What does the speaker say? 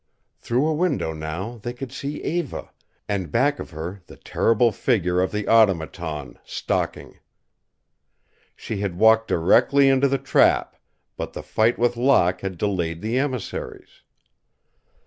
Through a window now they could see Eva, and back of her the terrible figure of the Automaton, stalking. She had walked directly into the trap, but the fight with Locke had delayed the emissaries.